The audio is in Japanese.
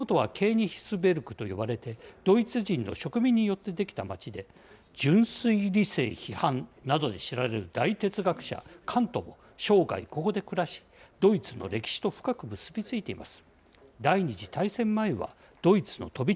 もともとはケーニヒスベルクと呼ばれ、ドイツ人の職人によって出来た街で、じゅんすいりせい批判などで知られる大哲学者、かんとも生涯ここで暮らし、ドイツの歴史と深く結び付いています。